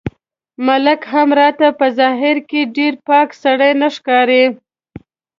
ملک هم راته په ظاهر کې ډېر پاک سړی نه ښکاري.